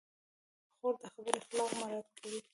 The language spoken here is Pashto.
خور د خبرو اخلاق مراعت کوي.